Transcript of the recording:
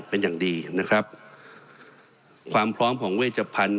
เป็นอย่างดีนะครับความพร้อมของเวชพันธุ